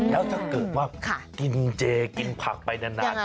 แล้วถ้าเกิดว่ากินเจกินผักไปนาน